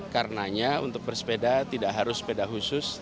karenanya untuk bersepeda tidak harus sepeda khusus